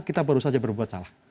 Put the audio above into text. kita baru saja berbuat salah